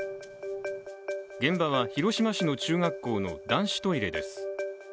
現場は、広島市の中学校の男子トイレです。